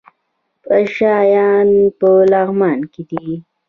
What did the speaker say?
پشه یان په لغمان کې دي؟